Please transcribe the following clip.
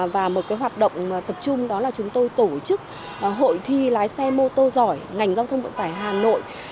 và một hoạt động tập trung đó là chúng tôi tổ chức hội thi lái xe mô tô giỏi ngành giao thông vận tải hà nội